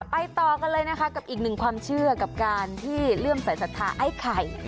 ไปต่อกันเลยนะคะกับอีกหนึ่งความเชื่อกับการที่เริ่มใส่ศรัทธาไอ้ไข่